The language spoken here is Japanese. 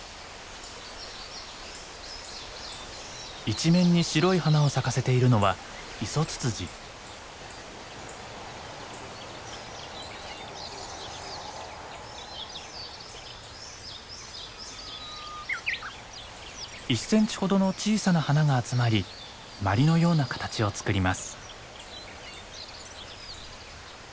一面に白い花を咲かせているのは１センチほどの小さな花が集まりまりのような形を作ります。